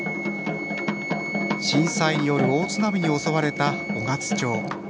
震災による大津波に襲われた雄勝町。